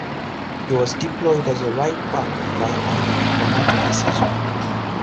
He was deployed as a right-back by O'Neill for much of the season.